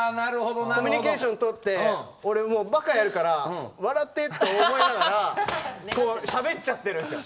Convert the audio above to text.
コミュニケーションとって俺もうバカやるから笑ってって思いながらしゃべっちゃってるんですよ。